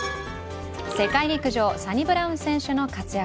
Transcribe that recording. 世界陸上、サニブラウン選手の活躍。